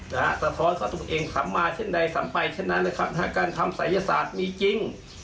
สะท้อนต่อตัวเองทำมาเช่นใดทำไปเช่นนั้นนะครับการทำศัยศาสตร์มีจริง